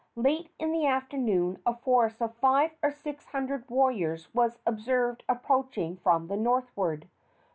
Late in the afternoon a force of five or six hundred warriors was observed approaching from the northward.